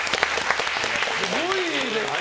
すごいですね。